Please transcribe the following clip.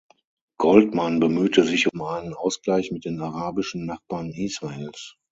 Goldmann bemühte sich um einen Ausgleich mit den arabischen Nachbarn Israels.